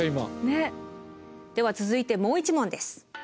では続いてもう１問です。